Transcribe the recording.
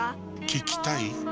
聞きたい？